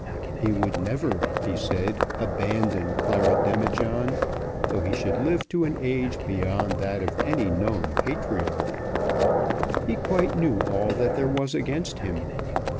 "He would never," he said, "abandon Clara Demijohn, though he should live to an age beyond that of any known patriarch. He quite knew all that there was against him.